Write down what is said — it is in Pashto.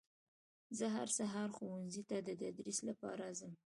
زه هر سهار ښوونځي ته در تدریس لپاره ځم